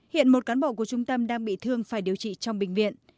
hiện một cán bộ của trung tâm đang bị thương phải điều trị trong bệnh viện